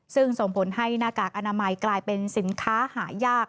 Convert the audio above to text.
ซึ่งส่งผลให้หน้ากากอนามัยกลายเป็นสินค้าหายาก